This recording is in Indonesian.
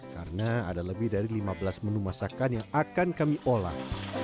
karena ada lebih dari lima belas menu masakan yang akan kami olah